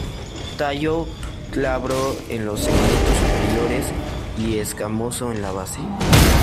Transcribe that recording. Tallo glabro en los segmentos superiores y escamoso en la base.